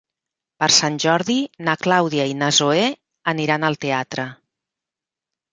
Per Sant Jordi na Clàudia i na Zoè aniran al teatre.